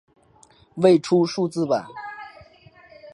未出数字版。